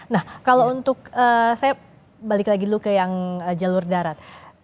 nah kalau untuk saya balik lagi dulu ke yang jalur darat